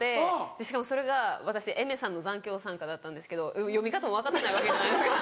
しかもそれが私Ａｉｍｅｒさんの『残響散歌』だったんですけど読み方も分かってないわけじゃないですか。